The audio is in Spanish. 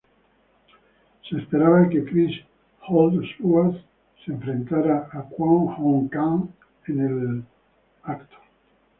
Se esperaba que Chris Holdsworth se enfrentara a Kyung-ho Kang en el evento.